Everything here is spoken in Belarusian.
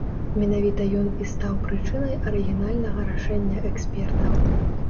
Менавіта ён і стаў прычынай арыгінальнага рашэння экспертаў.